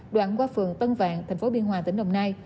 đoạn qua phường tân vạn tp biên hòa tỉnh đồng nai